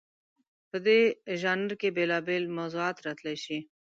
په دې ژانر کې بېلابېل موضوعات راتلی شي.